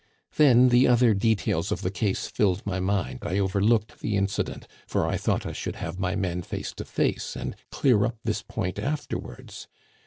Then the other details of the case filled my mind; I overlooked the incident, for I thought I should have my men face to face, and clear up this point afterwards.